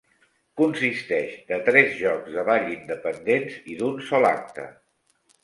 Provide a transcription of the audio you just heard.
Consisteix de tres jocs de ball independents i d'un sol acte.